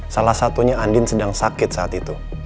salah satunya andin sedang sakit saat itu